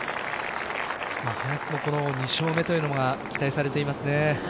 早くも２勝目というのが期待されていますね。